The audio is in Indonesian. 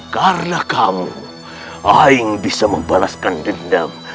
karena kamu aing bisa membalaskan dendam